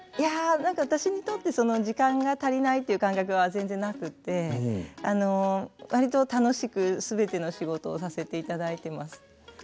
私にとって時間が足りないという感覚は全然なくて割と楽しく全ての仕事をさせていただいてます。